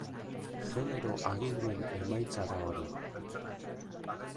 Genero aginduen emaitza da hori.